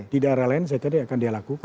di daerah lain saya tadi akan dia lakukan